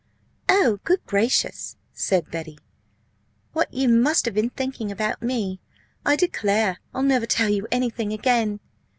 "Oh, good gracious!" said Betty, "what you must have been thinking about me! I declare I'll never tell you anything again!"